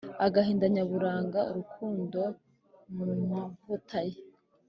agahinda nyaburanga, urukundo mumavuta ye